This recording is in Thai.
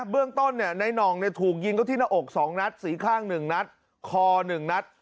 เบื้องต้นในหน่องถูกยิงเขาที่หน้าอก๒นัดสีข้าง๑นัดคอ๑นัด